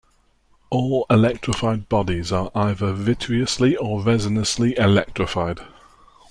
All electrified bodies are either vitreously or resinously electrified.